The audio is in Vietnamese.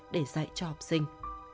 để dạy cho học sinh